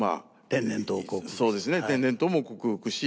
天然痘を克服し。